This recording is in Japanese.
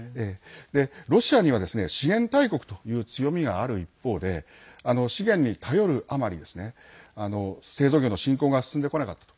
ロシアには資源大国という強みがある一方で資源に頼るあまり製造業の振興が進んでこなかったと。